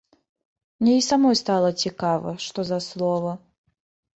Мне і самой стала цікава, што за слова.